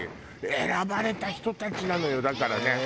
選ばれた人たちなのよだからね。